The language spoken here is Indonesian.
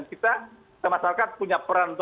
kita termasuk kan punya peran